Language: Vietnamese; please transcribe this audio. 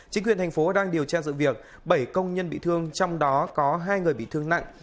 chính quyền thành phố đang điều tra dự việc bảy công nhân bị thương trong đó có hai người bị thương nặng